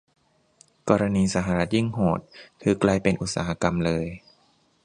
กรณีสหรัฐยิ่งโหด คือกลายเป็นอุตสาหกรรมเลย